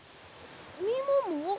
みもも？